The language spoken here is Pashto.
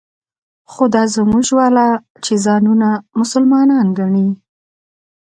خو دا زموږ والا چې ځانونه مسلمانان ګڼي.